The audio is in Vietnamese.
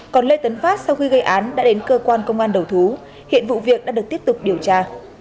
còn lê tấn phát sau khi gây án đã đến cơ quan công an đầu thú hiện vụ việc đã được tiếp tục điều tra